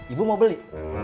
ibu mau beli